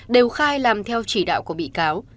đều khai làm theo chỉ đạo của bị cáo